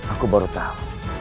aku baru tahu